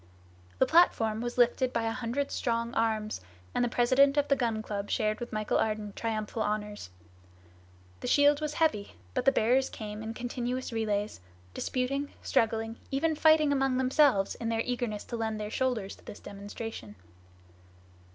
The platform was lifted by a hundred strong arms, and the president of the Gun Club shared with Michel Ardan triumphal honors. The shield was heavy, but the bearers came in continuous relays, disputing, struggling, even fighting among themselves in their eagerness to lend their shoulders to this demonstration.